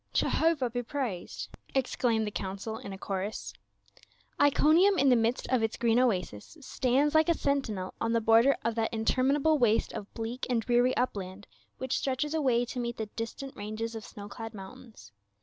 "Jehovah be praised!" exclaimed the council in a chorus. Iconium in the midst of its green oasis, stands like a sentinel on the border of that interminable waste of bleak antl dreary upland which stretches away to meet the distant ranges of snow clad mountains.